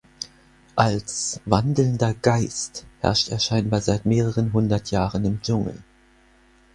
Als "Wandelnder Geist" herrscht er scheinbar seit mehreren hundert Jahren im Dschungel.